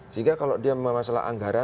sehingga kalau dia masalah anggaran